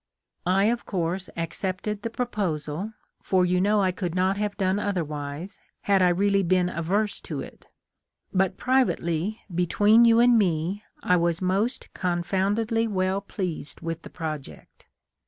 I, of course, accepted the pro posal, for you know I could not have done other wise, had I really been averse to it ; but privately, between you and me I was most confoundedly well pleased with the project.